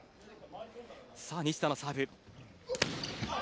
さあ、西田のサーブ。